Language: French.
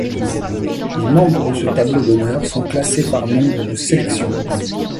Les membres de ce tableau d'honneur sont classés par nombre de sélections.